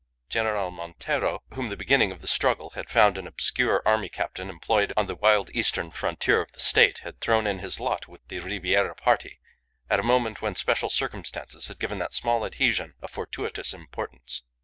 General Montero, whom the beginning of the struggle had found an obscure army captain employed on the wild eastern frontier of the State, had thrown in his lot with the Ribiera party at a moment when special circumstances had given that small adhesion a fortuitous importance.